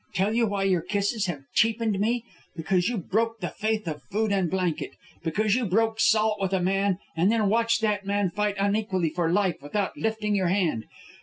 "Tell you why your kisses have cheapened me? Because you broke the faith of food and blanket. Because you broke salt with a man, and then watched that man fight unequally for life without lifting your hand.